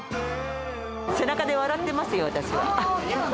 背中で笑ってますよ、私は。